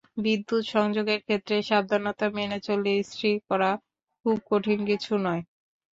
বিদ্যুৎ-সংযোগের ক্ষেত্রে সাবধানতা মেনে চললে ইস্তিরি করা খুব কঠিন কিছু নয়।